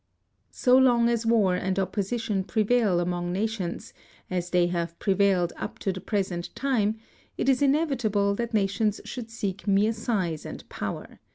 So long as war and opposition prevail among nations, as they have prevailed up to the present time, it is inevitable that nations should seek mere size and power.